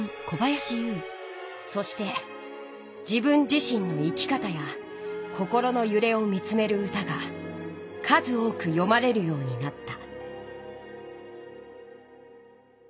そして自分自身の生き方や心のゆれを見つめる歌が数多くよまれるようになった。